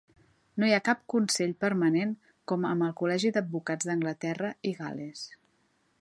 No hi ha cap consell permanent com amb el Col·legi d'Advocats d'Anglaterra i Gal·les.